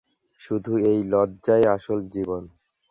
শুধু এই লজ্জাই আসল জীবন।